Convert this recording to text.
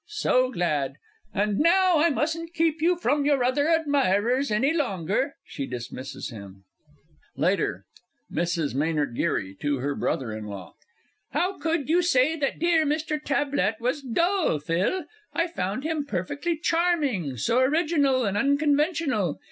So glad. And now I mustn't keep you from your other admirers any longer. [She dismisses him. LATER. MRS. M. G. (to her BROTHER IN LAW). How could you say that dear Mr. Tablett was dull, Phil? I found him perfectly charming so original and unconventional!